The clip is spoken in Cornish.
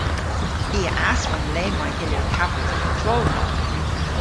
I a aswon le may hyllir kavos petrolva.